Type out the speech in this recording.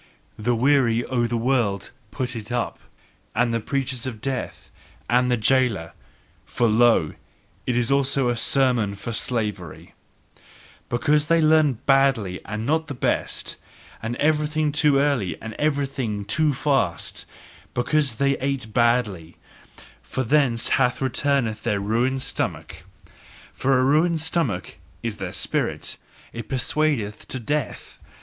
The weary o' the world put it up, and the preachers of death and the jailer: for lo, it is also a sermon for slavery: Because they learned badly and not the best, and everything too early and everything too fast; because they ATE badly: from thence hath resulted their ruined stomach; For a ruined stomach, is their spirit: IT persuadeth to death!